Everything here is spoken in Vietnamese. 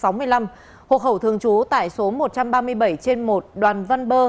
năm một nghìn chín trăm sáu mươi năm hộ khẩu thường trú tại số một trăm ba mươi bảy trên một đoàn văn bơ